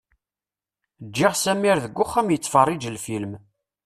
Ǧǧiɣ Samir deg uxxam yettfeṛṛiǧ lfilm.